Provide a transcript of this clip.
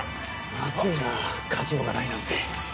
まずいなカジノがないなんて。